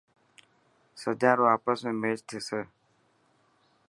سجان رو آپس ۾ ميچ ٿيسي.